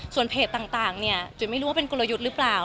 ส่วนเพจต่างเนี่ยจุ๋ยไม่รู้ว่าเป็นกลยุทธ์หรือเปล่า